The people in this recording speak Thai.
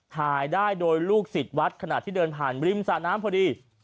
ถ่ายได้โดยลูกศิษย์วัดขณะที่เดินผ่านริมสระน้ำพอดี